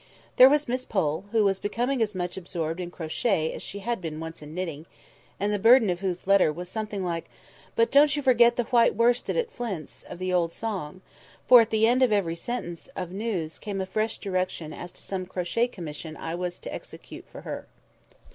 There was Miss Pole, who was becoming as much absorbed in crochet as she had been once in knitting, and the burden of whose letter was something like, "But don't you forget the white worsted at Flint's" of the old song; for at the end of every sentence of news came a fresh direction as to some crochet commission which I was to execute for her.